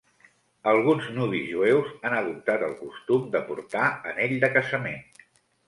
Alguns nuvis jueus han adoptat el costum de portar anell de casament.